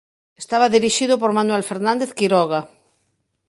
Estaba dirixido por Manuel Fernández Quiroga.